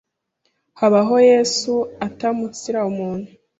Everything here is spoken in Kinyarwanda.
habaho Yesu itaumunsira umuntu